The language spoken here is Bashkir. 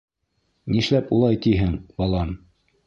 — Нишләп улай тиһең, балам?